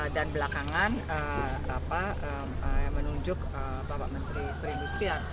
dan belakangan menunjuk bapak menteri perindustrian